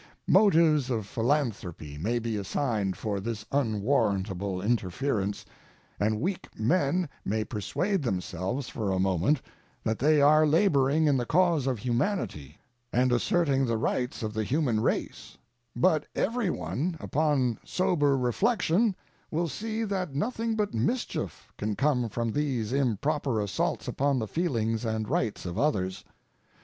Motives of philanthropy may be assigned for this unwarrantable interference, and weak men may persuade themselves for a moment that they are laboring in the cause of humanity and asserting the rights of the human race; but everyone, upon sober reflection, will see that nothing but mischief can come from these improper assaults upon the feelings and rights of others.